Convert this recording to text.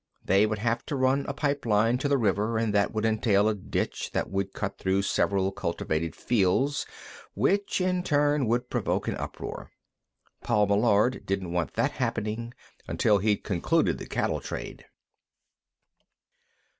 They would have to run a pipeline to the river, and that would entail a ditch that would cut through several cultivated fields, which, in turn, would provoke an uproar. Paul Meillard didn't want that happening until he'd concluded the cattle trade.